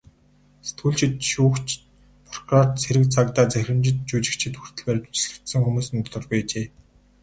Сэтгүүлчид, шүүгч, прокурор, цэрэг цагдаа, захирагчид, жүжигчид хүртэл баривчлагдсан хүмүүсийн дотор байжээ.